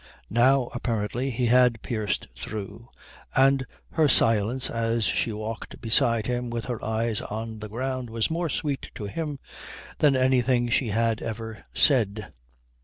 Now apparently he had pierced through, and her silence as she walked beside him with her eyes on the ground was more sweet to him than anything she had ever said.